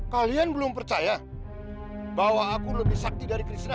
kalian belum percaya bahwa aku lebih sakti dari kristina